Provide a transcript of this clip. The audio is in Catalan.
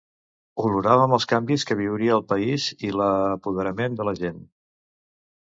Oloràvem els canvis que viuria el país i l’apoderament de la gent.